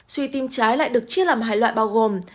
suy tim trái lại được chia làm hai loại bao gồm